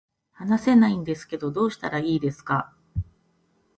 話せないんですけどどうしたらいいですか